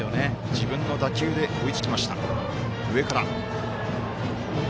自分の打球で追いつきました。